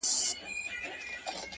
د قسمت کارونه ګوره بوډا جوړ سو،